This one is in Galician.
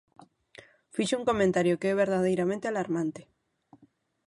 Fixo un comentario que é verdadeiramente alarmante.